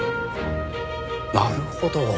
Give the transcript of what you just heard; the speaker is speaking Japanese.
なるほど！